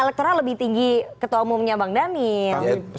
elektoral lebih tinggi ketua umumnya bang daniel